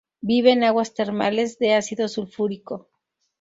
Vive en aguas termales de ácido sulfúrico.